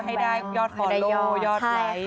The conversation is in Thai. หวับแบบ